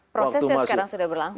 prosesnya sekarang sudah berlangsung